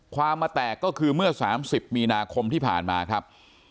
ความมาแตกก็คือเมื่อ๓๐มีนาคมที่ผ่านมาครับ